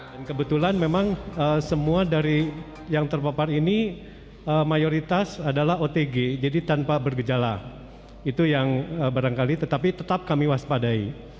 dan kebetulan memang semua dari yang terpapar ini mayoritas adalah otg jadi tanpa bergejala itu yang barangkali tetapi tetap kami waspadai